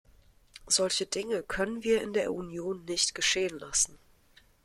Solche Dinge können wir in der Union nicht geschehen lassen.